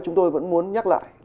chúng tôi vẫn muốn nhắc lại